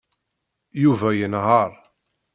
Yuba yenheṛ.